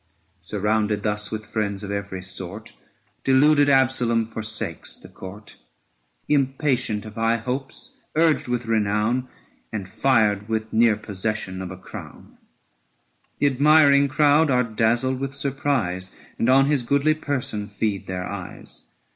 Surrounded thus with friends of every sort, Deluded Absalom forsakes the court; Impatient of high hopes, urged with renown, And fired with near possession of a crown. 685 The admiring crowd are dazzled with surprise And on his goodly person feed their eyes.